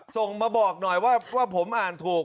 ส่งมาบอกหน่อยว่าผมอ่านถูก